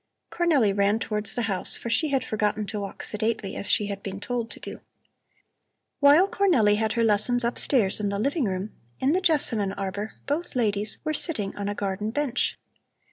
Cornelli ran towards the house, for she had forgotten to walk sedately, as she had been told to do. While Cornelli had her lessons upstairs in the living room, in the jessamine arbor both ladies were sitting on a garden bench.